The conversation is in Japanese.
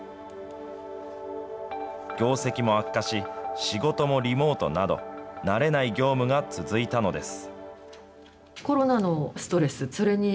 業績も悪化し、仕事もリモートなど、慣れない業務が続いたのです。